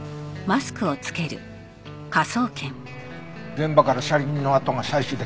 現場から車輪の跡が採取できた。